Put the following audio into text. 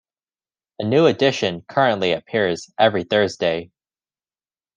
A new edition currently appears every Thursday.